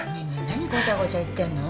何ごちゃごちゃ言ってんの？